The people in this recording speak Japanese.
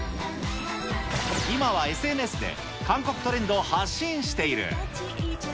今はＳＮＳで韓国トレンドを発信している。